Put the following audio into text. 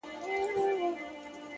• چي مو نه وینمه غم به مي په کور سي ,